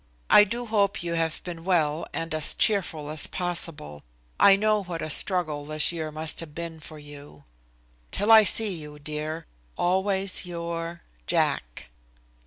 I do hope you have been well and as cheerful as possible. I know what a struggle this year must have been for you. "Till I see you, dear, always your "JACK."